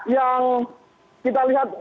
yang kita lihat di sini